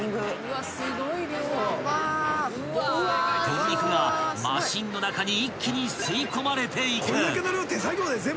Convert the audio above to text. ［鶏肉がマシンの中に一気に吸い込まれていく］